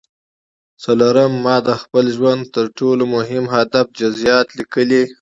څلورم ما د خپل ژوند د تر ټولو مهم هدف جزييات ليکلي.